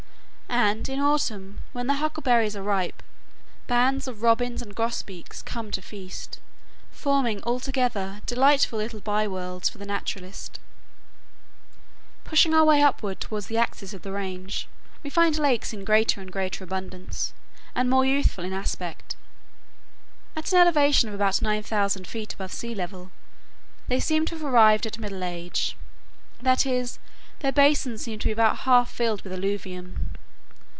And in autumn, when the huckleberries are ripe, bands of robins and grosbeaks come to feast, forming altogether delightful little byworlds for the naturalist. Pushing our way upward toward the axis of the range, we find lakes in greater and greater abundance, and more youthful in aspect. At an elevation of about 9000 feet above sea level they seem to have arrived at middle age,—that is, their basins seem to be about half filled with alluvium.